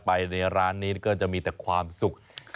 ไปในร้านนี้ก็จะมีแต่ความสุข